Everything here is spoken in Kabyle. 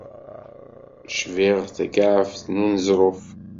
Cbiɣ takɛebt n uneẓruf.